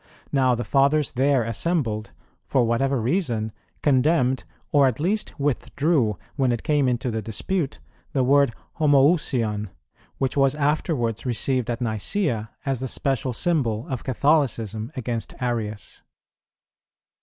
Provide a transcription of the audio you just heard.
Now the Fathers there assembled, for whatever reason, condemned, or at least withdrew, when it came into the dispute, the word "Homoüsion," which was afterwards received at Nicæa as the special symbol of Catholicism against Arius.